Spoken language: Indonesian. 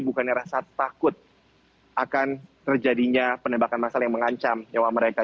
bukannya rasa takut akan terjadinya penembakan masal yang mengancam nyawa mereka